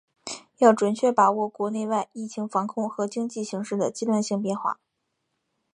要准确把握国内外疫情防控和经济形势的阶段性变化